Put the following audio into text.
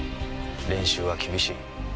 練習は厳しい。